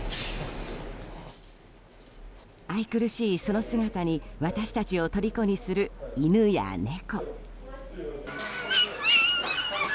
愛くるしいその姿に私たちをとりこにする犬や猫。